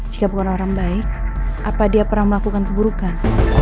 jika bukan orang baik apa dia pernah melakukan keburukan